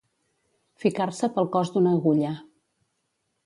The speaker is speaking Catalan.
Ficar-se pel cos d'una agulla.